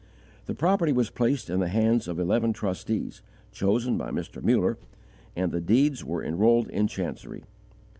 The property was placed in the hands of eleven trustees, chosen by Mr. Muller, and the deeds were enrolled in chancery.